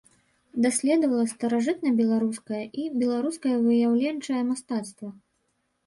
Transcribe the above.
Даследавала старажытнабеларускае і беларускае выяўленчае мастацтва.